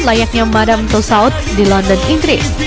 layaknya madame tussauds di london inggris